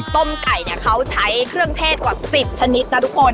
ต้มไก่เนี่ยเขาใช้เครื่องเทศกว่า๑๐ชนิดนะทุกคน